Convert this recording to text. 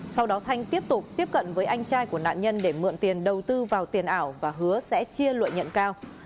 sau đó thanh tiếp tục tiếp cận với anh trai của nạn nhân để mượn tiền đầu tư vào tiền ảo và hứa sẽ chia lợi nhuận cao